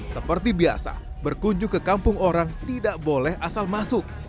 seperti biasa berkunjung ke kampung orang tidak boleh asal masuk